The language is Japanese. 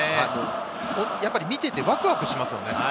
やっぱり見ていてワクワクしますよね。